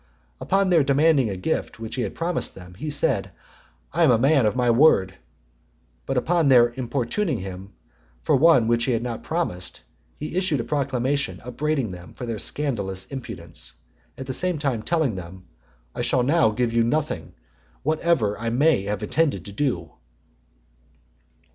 Upon their demanding a gift which he had promised them, he said, "I am a man of my word." But upon their importuning him for one which he had not promised, he issued a proclamation upbraiding them for their scandalous impudence; at the same time telling them, "I shall now give you nothing, whatever I may have intended to do."